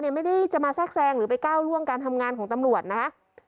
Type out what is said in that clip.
ไม่ได้จะมาแทรกแซงหรือไปก้าวล่วงการทำงานของตำรวจนะคะ